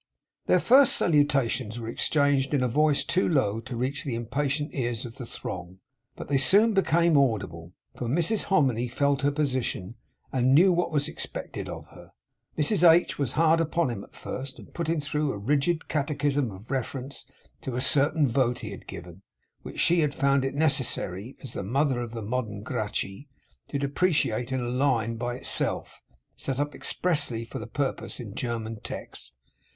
Their first salutations were exchanged in a voice too low to reach the impatient ears of the throng; but they soon became audible, for Mrs Hominy felt her position, and knew what was expected of her. Mrs H. was hard upon him at first; and put him through a rigid catechism in reference to a certain vote he had given, which she had found it necessary, as the mother of the modern Gracchi, to deprecate in a line by itself, set up expressly for the purpose in German text.